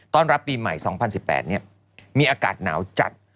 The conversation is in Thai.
รับปีใหม่๒๐๑๘มีอากาศหนาวจัด